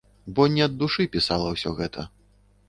Бо не ад душы пісала ўсё гэта.